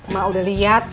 mak udah liat